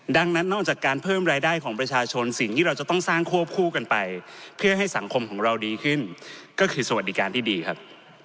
ดังนั้นนอกจากการเพิ่มรายได้ของประชาชนสิ่งที่เราจะต้องสร้างควบคู่กันไปเพื่อให้สังคมของเราดีขึ้นก็คือสวัสดิการที่ดีครับ